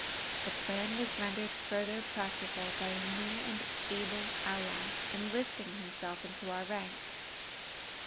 The plan was rendered further practicable, by a new and able ally enlisting himself into our ranks.